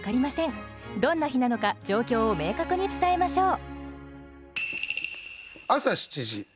どんな日なのか状況を明確に伝えましょう。